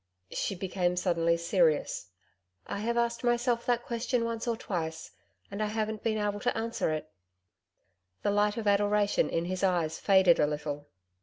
she became suddenly serious 'I have asked myself that question once or twice, and I haven't been able to answer it.' The light of adoration in his eyes faded a little.